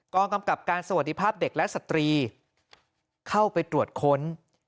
กำกับการสวัสดีภาพเด็กและสตรีเข้าไปตรวจค้น